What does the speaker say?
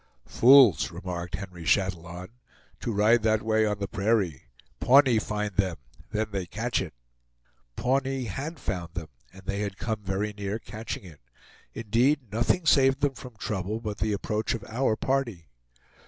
"Fools!" remarked Henry Chatillon, "to ride that way on the prairie; Pawnee find them then they catch it!" Pawnee HAD found them, and they had come very near "catching it"; indeed, nothing saved them from trouble but the approach of our party.